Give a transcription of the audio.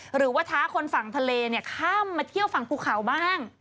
หรือว่าท้าคนฝั่งทะเลข้ามมาเที่ยวฝั่งภูเขาบ้าง